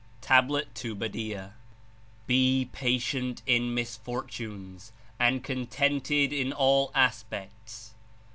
(Tah. to Badia) "Be patient in misfortunes, and contented In all aspects.